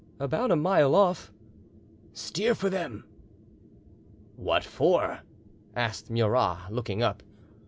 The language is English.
"About a mile off." "Steer for them." "What for?" asked Murat, looking up.